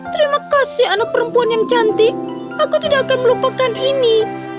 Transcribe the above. terima kasih anak perempuan yang cantik aku tidak akan melupakan ini